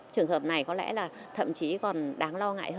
trường hợp này có lẽ là thậm chí còn đáng lo ngại